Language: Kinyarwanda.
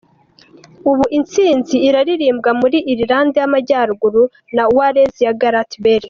Ubu intsinzi iraririmbwa muri Irland y’Amajyaruguru na Wales ya Gareth Bale.